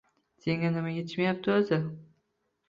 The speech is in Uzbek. Senga nima yetishmayapti o'zi